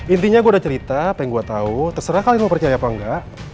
intinya gue udah cerita apa yang gue tahu terserah kalian mau percaya apa enggak